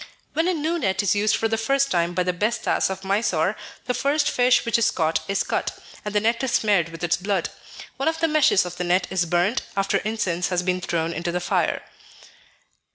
When a new net is used for the first time by the Besthas of Mysore, the first fish which is caught is cut, and the net is smeared with its blood. One of the meshes of the net is burnt, after incense has been thrown into the fire.